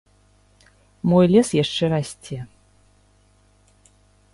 Мой лес яшчэ расце.